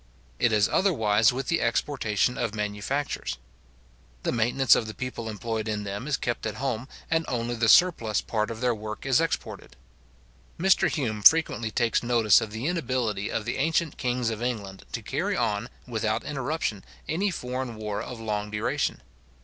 It is otherwise with the exportation of manufactures. The maintenance of the people employed in them is kept at home, and only the surplus part of their work is exported. Mr Hume frequently takes notice of the inability of the ancient kings of England to carry on, without interruption, any foreign war of long duration.